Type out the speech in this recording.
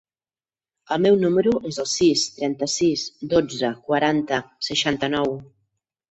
El meu número es el sis, trenta-sis, dotze, quaranta, seixanta-nou.